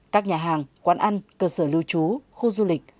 các nhà hàng quán ăn cơ sở lưu trú khu du lịch